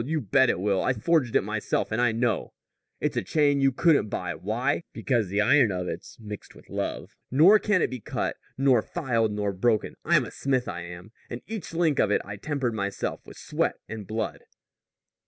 You bet it will. I forged it myself, and I know. It's a chain you couldn't buy. Why? Because because the iron of it's mixed with love. Nor can it be cut, nor filed, nor broken. I'm a smith, I am. And each link of it I tempered myself with sweat and blood."